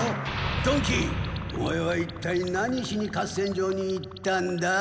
曇鬼オマエはいったい何しに合戦場に行ったんだ？